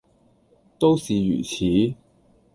都是如此。